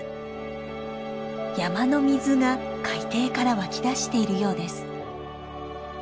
山の水が海底から湧き出しているようです。